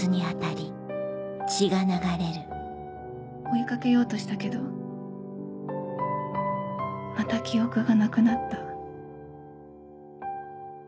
追い掛けようとしたけどまた記憶がなくなった。